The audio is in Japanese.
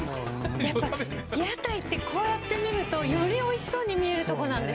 やっぱ屋台ってこうやって見るとよりおいしそうに見える所なんですね！